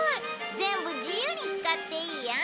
全部自由に使っていいよ！